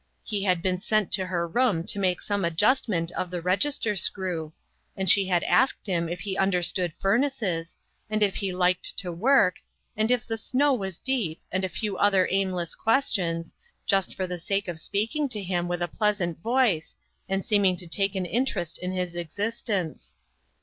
He had been sent to her room to make some ad justment of the register screw, and she had asked him if he understood furnaces, and if he liked to work, and if the snow was INNOVATIONS. deep, and a few other aimless questions, just for the sake of speaking to him with a pleasant voice, and seeming to take an in terest in his existence.